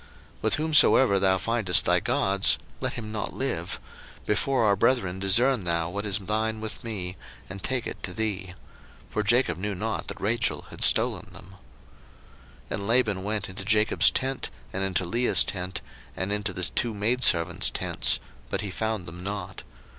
01:031:032 With whomsoever thou findest thy gods, let him not live: before our brethren discern thou what is thine with me, and take it to thee. For Jacob knew not that Rachel had stolen them. 01:031:033 And Laban went into Jacob's tent, and into Leah's tent, and into the two maidservants' tents; but he found them not.